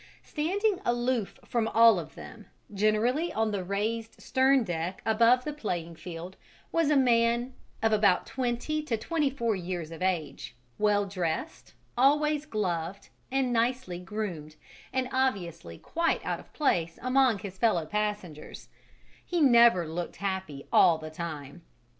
Standing aloof from all of them, generally on the raised stern deck above the "playing field," was a man of about twenty to twenty four years of age, well dressed, always gloved and nicely groomed, and obviously quite out of place among his fellow passengers: he never looked happy all the time.